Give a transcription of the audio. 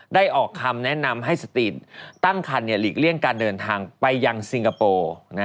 ออกคำแนะนำให้สตรีทตั้งคันหลีกเลี่ยงการเดินทางไปยังซิงคโปร์